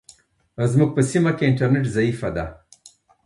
زموږ په سیمه کې انټرنیټ ضعیفه ده.